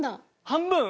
半分？